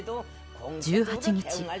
１８日。